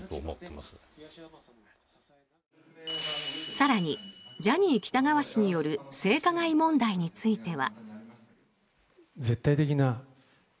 更に、ジャニー喜多川氏による性加害問題については。